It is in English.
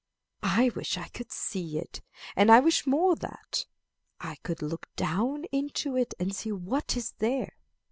I wish I could see it, and I wish more that I could look down into it and see what is there.